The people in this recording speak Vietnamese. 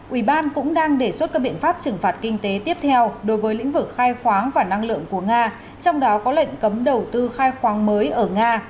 ủy ban cũng đang đề xuất các biện pháp trừng phạt kinh tế tiếp theo đối với lĩnh vực khai khoáng và năng lượng của nga trong đó có lệnh cấm đầu tư khai khoáng mới ở nga